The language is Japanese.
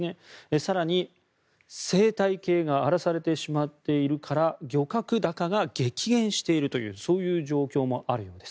更に、生態系が荒らされてしまっているから漁獲高が激減しているという状況もあるようです。